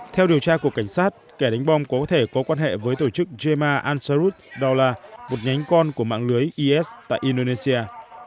theo điều tra của cảnh sát kẻ đánh bom có thể có quan hệ với tổ chức jema ansarut đó là một nhánh con của mạng lưới is tại indonesia